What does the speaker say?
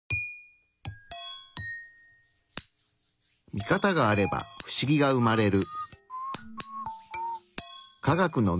ミカタがあればフシギが生まれる。